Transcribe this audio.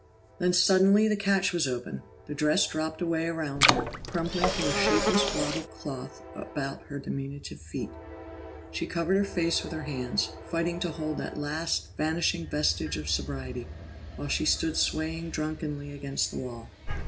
Then suddenly the catch was open; the dress dropped away around her, crumpling to a shapeless blob of cloth about her diminutive feet. She covered her face with her hands, fighting to hold that last, vanishing vestige of sobriety, while she stood swaying drunkenly against the wall.